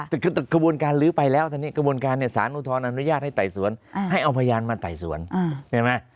แต่คือกระบวนการลื้อไปแล้วตอนนี้กระบวนการเนี่ยสารอุทธรณอนุญาตให้ไต่สวนให้เอาพยานมาไต่สวนใช่ไหม